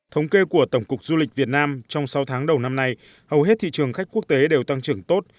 thống kê của tổng cục du lịch việt nam trong sáu tháng đầu năm nay hầu hết thị trường khách quốc tế đều tăng trưởng tốt